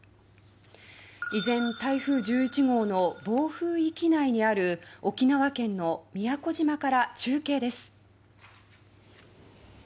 依然、台風１１号の暴風域内にある沖縄県の宮古島から中継です。